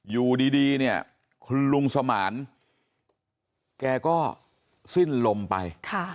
อยู่ดีเนี่ยคุณลุงสมานแกก็สิ้นลมไป